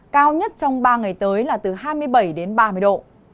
cao nhất trong ba ngày tới là từ hai mươi bảy đến ba mươi độ